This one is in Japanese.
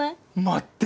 待って！